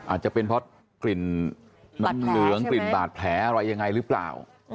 อาจจะเป็นเพราะกลิ่นน้ำเหลืองกลิ่นบาดแผลอะไรยังไงหรือเปล่า